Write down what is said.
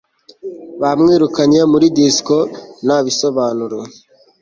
bamwirukanye muri disco nta bisobanuro